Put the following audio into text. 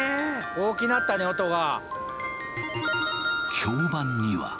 大きなったね音が。